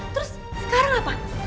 terus sekarang apa